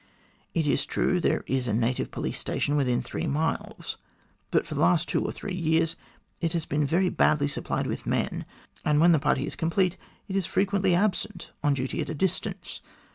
... It is true there is a native police station within three miles, but for the last two or three years it has been very badly supplied with men, and when the party is complete, it is frequently absent on duty at a distance.